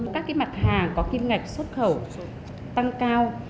các mặt hàng có kim ngạch xuất khẩu tăng cao